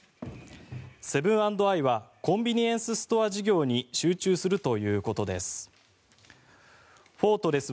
セブン＆アイはコンビニエンスストア事業に集中するということです。